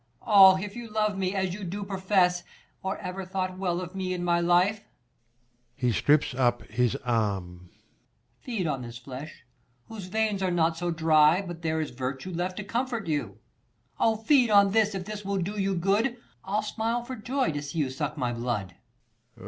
Oh, if you love me, as you do profess, Or ever thought well of me in my life ; \_He strips up his arm. Feed on this flesh, whose veins are not so dry, But there is virtue left to comfort you. 35 Oh, feed on this, if this will do you good, I'll smile for joy, to see you suck my blood.